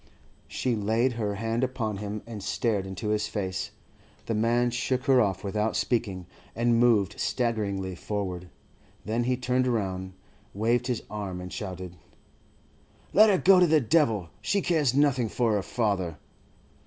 She laid her hand upon him and stared into his face. The man shook her off, without speaking, and moved staggeringly forward. Then he turned round, waved his arm, and shouted: 'Let her go to the devil. She cares nothing for her father.